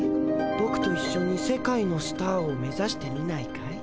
ボクといっしょに世界のスターを目ざしてみないかい？